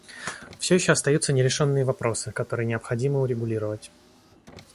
Все еще остаются нерешенные вопросы, которые необходимо урегулировать.